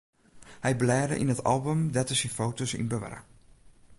Hy blêde yn it album dêr't er syn foto's yn bewarre.